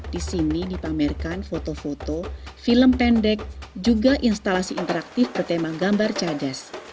di sini dipamerkan foto foto film pendek juga instalasi interaktif bertema gambar cadas